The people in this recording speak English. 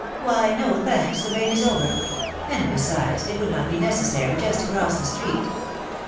'^Why, no, thanks, the rain is over; and besides it would not be necessary just to cross the street.